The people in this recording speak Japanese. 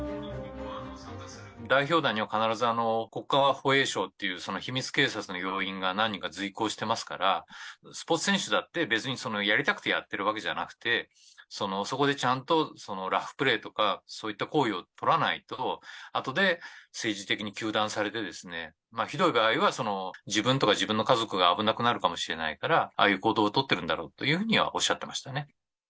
代表団には必ず国家保衛省っていう、秘密警察の要員が何人か随行してますから、スポーツ選手だって別に、やりたくてやってるわけじゃなくて、そこでちゃんとラフプレーとか、そういったことを取らないとあとで政治的に糾弾されて、ひどい場合は、自分とか自分の家族が危なくなるかもしれないから、ああいう行動を取ってるんだろうというふうにはおっしゃってましたね。